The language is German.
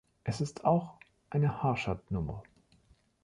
Es ist auch eine Harshad-Nummer.